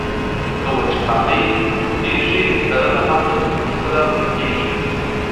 که وچکالۍ اوږدیږي، کرنه هم له ستونزو سره مخ کیږي.